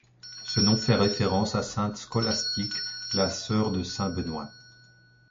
Ce nom fait référence à Sainte Scholastique, la sœur de Saint-Benoît.